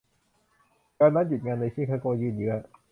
การนัดหยุดงานในชิคาโกยืดเยื้อ